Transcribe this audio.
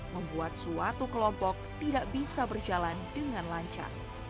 membuat suatu kelompok tidak bisa berjalan dengan lancar